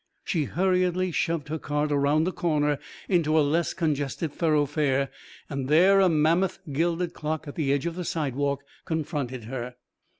She hurriedly shoved her cart around a corner into a less congested thoroughfare and there a mammoth gilded clock at the edge of the sidewalk confronted her.